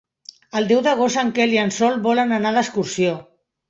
El deu d'agost en Quel i en Sol volen anar d'excursió.